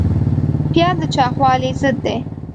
پیاز د چاغوالي ضد دی